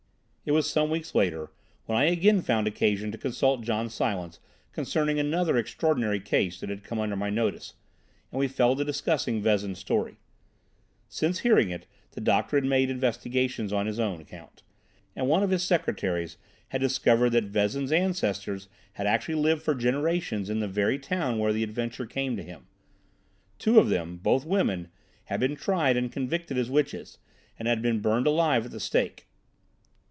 It was some weeks later when I again found occasion to consult John Silence concerning another extraordinary case that had come under my notice, and we fell to discussing Vezin's story. Since hearing it, the doctor had made investigations on his own account, and one of his secretaries had discovered that Vezin's ancestors had actually lived for generations in the very town where the adventure came to him. Two of them, both women, had been tried and convicted as witches, and had been burned alive at the stake.